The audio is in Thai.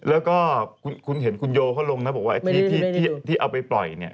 แล้วก็คุณเห็นคุณโยเขาลงนะบอกว่าไอ้ที่เอาไปปล่อยเนี่ย